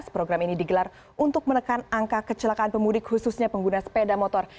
program ini digelar untuk menekan angka kecelakaan pemudik khususnya pengguna sepeda motor